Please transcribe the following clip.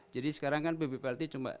jadi sekarang kan pb plt cuma